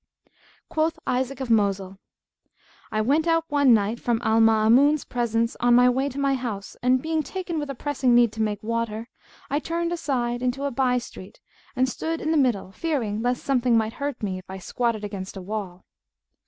Quoth Isaac of Mosul,[FN#175] "I went out one night from Al Maamun's presence, on my way to my house; and, being taken with a pressing need to make water, I turned aside into a by street and stood in the middle fearing lest something might hurt me, if I squatted against a wall.